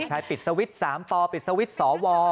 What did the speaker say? ใช่ปิดสวิตช์๓ต่อปิดสวิตช์สว